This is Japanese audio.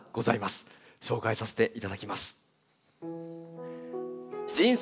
紹介させていただきます。